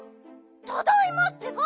ただいまってば！